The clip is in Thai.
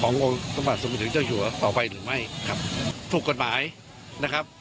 ของโรงสมบัติสมัยถึงเจ้าอยู่ต่อไปหรือไม่ครับถูกกฎหมายนะครับ